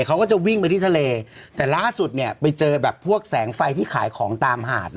เขาก็จะวิ่งไปที่ทะเลแต่ล่าสุดเนี่ยไปเจอแบบพวกแสงไฟที่ขายของตามหาด